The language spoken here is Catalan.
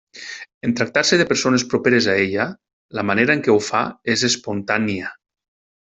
En tractar-se de persones properes a ella, la manera en què ho fa és espontània.